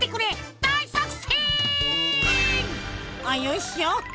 あよいしょ！